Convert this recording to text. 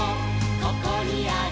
ここにある」